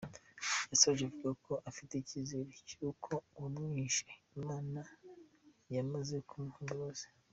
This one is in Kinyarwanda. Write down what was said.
Yasoje avuga ko afite icyizere cy’uko uwamwishe Imana yamaze kumuha imbabazi.